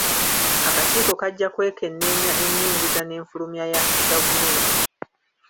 Akakiiko kajja kwekenneenya ennyingiza n'enfulumya ya gavumenti.